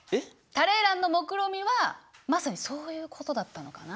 タレーランのもくろみはまさにそういうことだったのかな？